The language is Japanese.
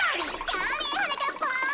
じゃあねはなかっぱん。